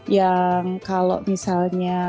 yang kalau misalnya